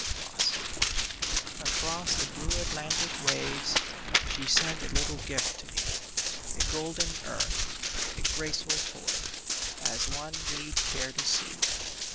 THE URN Across the blue Atlantic waves She sent a little gift to me : A golden urn — a graceful toy As one need care to see.